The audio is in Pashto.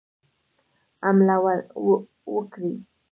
حمله وکړي.